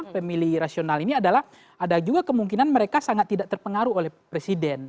pemilih rasional ini adalah ada juga kemungkinan mereka sangat tidak terpengaruh oleh presiden